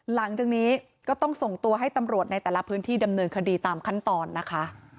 หลังจากนี้ก็ต้องส่งตัวให้ตำรวจในแต่ละพื้นที่ดำเนินคดีตามขั้นตอนนะคะ